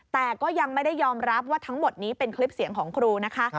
แต่ก็ยังไม่ได้ยอมรับว่าทั้งหมดนี้เป็นคลิปเสียงของครูนะคะ